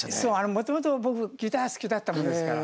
もともと僕ギター好きだったもんですから。